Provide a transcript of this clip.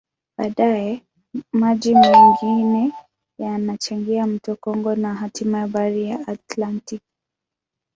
Baadaye, maji mengine yanachangia mto Kongo na hatimaye Bahari ya Atlantiki.